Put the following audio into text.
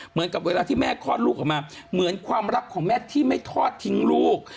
เหมือนกับเวลาที่แม่คลอดลูกออกมาเหมือนความรักของแม่ที่ไม่ทอดทิ้งลูก